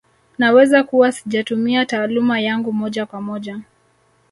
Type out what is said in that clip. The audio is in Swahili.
Naweza kuwa sijatumia taaluma yangu moja kwa moja